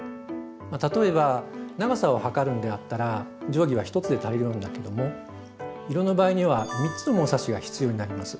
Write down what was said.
例えば長さを測るんであったら定規は１つで足りるんだけども色の場合には３つの物差しが必要になります。